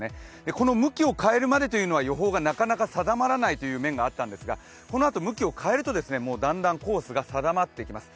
この向きを変えるまでというのは予報がなかなか定まらないという面があったんですが、このあと向きを変えるとだんだんコースが定まってきます。